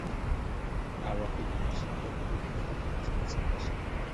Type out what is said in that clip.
«Ntawe ukwiriye gushyiraho urundi rufatiro keretse urwashizweho,